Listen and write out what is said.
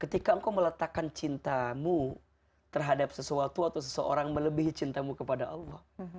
ketika engkau meletakkan cintamu terhadap sesuatu atau seseorang melebihi cintamu kepada allah